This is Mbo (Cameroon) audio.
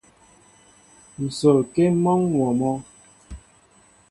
Nsol ŋkém mɔnwóó mɔ.